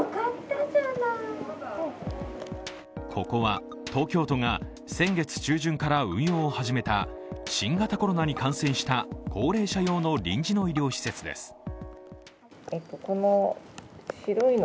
ここは東京都が先月中旬から運用を始めた新型コロナに感染した高齢者用の臨時の医療施設です。